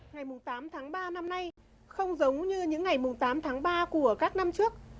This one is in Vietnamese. ngày tám tháng ba năm nay không giống như những ngày tám tháng ba của các năm trước